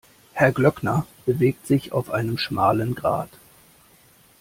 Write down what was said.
Herr Glöckner bewegt sich auf einem schmalen Grat.